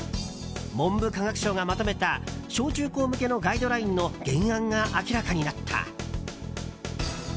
文部科学省がまとめた小中高向けのガイドラインの原案が明らかになった。